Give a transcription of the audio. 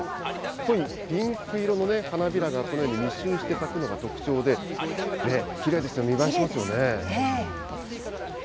濃いピンク色の花びらがこのように密集して咲くのが特徴で、きれいですよ、見栄えしますよね。